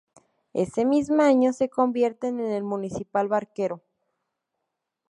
En ese mismo año se convierte en el Municipal Barquero.